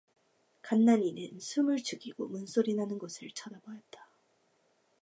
간난이는 숨을 죽이고 문소리 나는 곳을 바라보았다.